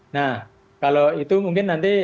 nah kalau itu mungkin nanti